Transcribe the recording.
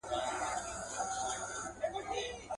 ښایستې د مور ملوکي لکه زرکه سرې دي نوکي.